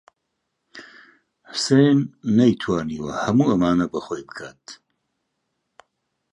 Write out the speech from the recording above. حوسێن نەیتوانیوە هەموو ئەمانە بە خۆی بکات.